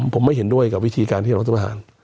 ผมไม่เห็นด้วยกับวิธีการที่รัฐประหาร